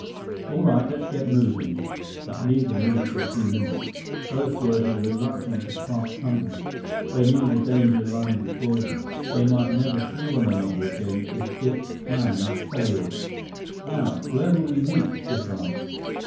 "All right, let's get moving." But neither moved for a few minutes. Both boys were reluctant to part company. They knew the danger lying before them. They might never see one another again, if Biff's plan failed. "Now, where will we meet?" Biff asked.